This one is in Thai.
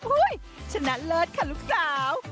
ชนะเลิศค่ะลูกสาว